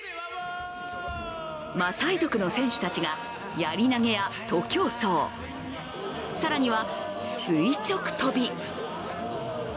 マサイ族の戦士たちがやり投げや徒競走、更には、垂直跳び。